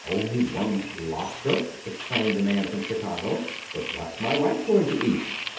"Only one lobster!" exclaimed the man from Chicago, "but what's my wife going to eat!"